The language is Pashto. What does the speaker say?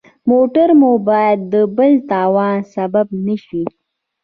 موټر مو باید د بل تاوان سبب نه شي.